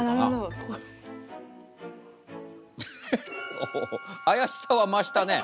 おお怪しさは増したね。